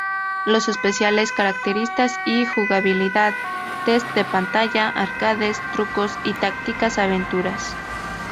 Los especiales; Características y jugabilidad; Test de Pantalla, Arcades, Trucos y Tácticas, Aventuras.